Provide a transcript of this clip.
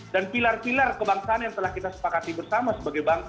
dan pilar pilar kebangsaan yang telah kita sepakati bersama sebagai bangsa